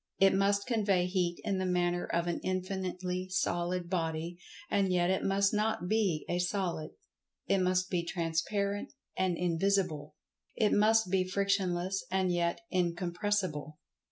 It must convey Heat in the manner of an infinitely Solid body—and yet it must not be a Solid. It must be transparent and invisible. It must be Frictionless, and yet Incompressible.